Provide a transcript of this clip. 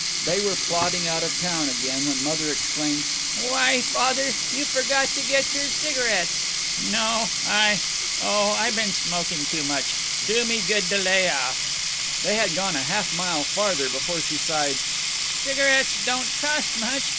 They were plodding out of town again when Mother exclaimed, "Why, Father, you forgot to get your cigarettes." "No, I Oh, I been smoking too much. Do me good to lay off." They had gone half a mile farther before she sighed: "Cigarettes don't cost much.